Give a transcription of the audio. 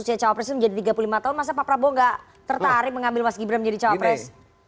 usia cawapres itu menjadi tiga puluh lima tahun masa pak prabowo gak tertarik mengambil mas gibran menjadi cawapres